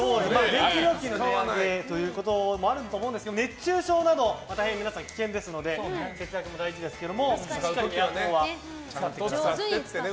電気料金の値上げということもあると思うんですが熱中症など大変、皆さん危険ですので節約も大事ですけどエアコンは使ってください。